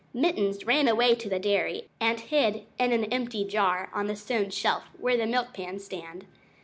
Mittens ran away to the dairy and hid in an empty jar on the stone shelf where the milk pans stand.